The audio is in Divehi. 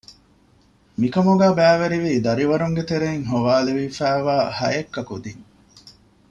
މިކަމުގައި ބައިވެރިވީ ދަރިވަރުންގެ ތެރެއިން ހޮވާލެވިފައިވާ ހައެއްކަ ކުދީން